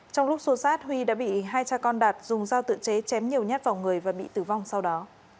trong lúc xô sát huy đã bị hai cha con đạt dùng dao tự chế chém nhiều nhát vào người và bị tử vong sau đó